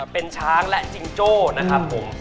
เป็นช้างและจิงโจ้นะครับผม